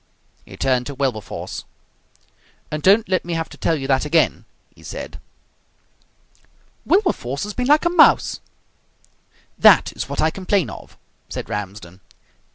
He turned to Wilberforce. "And don't let me have to tell you that again!" he said. "Wilberforce has been like a mouse!" "That is what I complain of," said Ramsden.